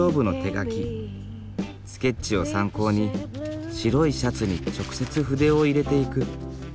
スケッチを参考に白いシャツに直接筆を入れていく。